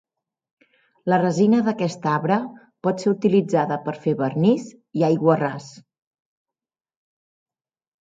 La resina d'aquest arbre pot ser utilitzada per fer vernís i aiguarràs.